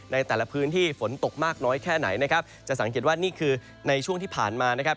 ในแต่ละพื้นที่ฝนตกมากน้อยแค่ไหนนะครับจะสังเกตว่านี่คือในช่วงที่ผ่านมานะครับ